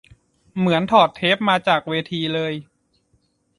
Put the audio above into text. เหมือนถอดเทปมาจากเวทีเลย